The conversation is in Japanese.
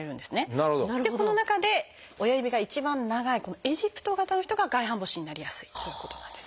でこの中で親指が一番長いこのエジプト型の人が外反母趾になりやすいということなんです。